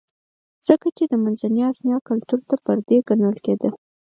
ځکه چې د منځنۍ اسیا کلتور ته پردی ګڼل کېده